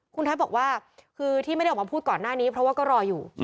คุณไทยบอกว่าคือที่ไม่ได้ออกมาพูดก่อนหน้านี้เพราะว่าก็รออยู่